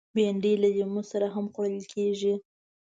بېنډۍ له لیمو سره هم خوړل کېږي